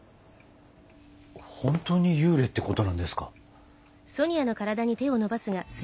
本当に幽霊ってことなんですか？